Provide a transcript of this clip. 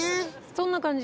そんな感じ。